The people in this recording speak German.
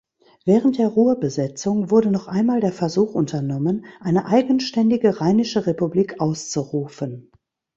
Während der Ruhrbesetzung wurde noch einmal der Versuch unternommen, eine eigenständige Rheinische Republik auszurufen.